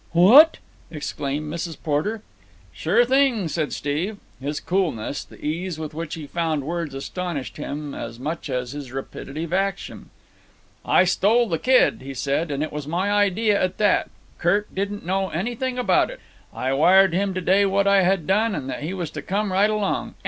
"What!" exclaimed Mrs. Porter. "Sure thing," said Steve. His coolness, the ease with which he found words astonished him as much as his rapidity of action. "I stole the kid," he said, "and it was my idea at that. Kirk didn't know anything about it. I wired to him to day what I had done and that he was to come right along.